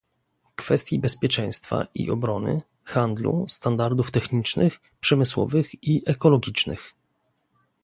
kwestii bezpieczeństwa i obrony, handlu, standardów technicznych, przemysłowych i ekologicznych